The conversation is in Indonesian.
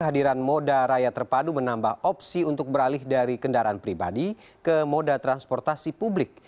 kehadiran moda raya terpadu menambah opsi untuk beralih dari kendaraan pribadi ke moda transportasi publik